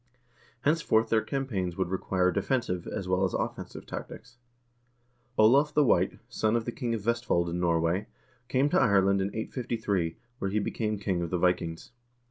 Henceforth their campaigns would require defensive, as well as offensive, tactics. Olav the White, son of the king of Vestfold in Norway, came to Ireland in 853, where he became king of the Vikings.